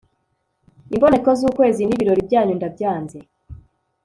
imboneko z'ukwezi n'ibirori byanyu ndabyanze